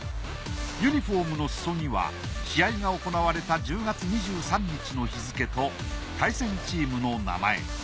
ユニフォームの裾には試合が行われた１０月２３日の日付と対戦チームの名前。